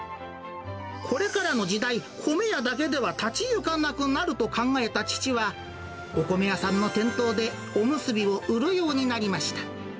これからの時代、米屋だけでは立ち行かなくなると考えた父は、お米屋さんの店頭で、おむすびを売るようになりました。